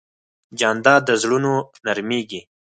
جانداد د زړونو نرمیږي.